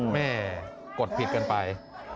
แม่กดผิดกันไป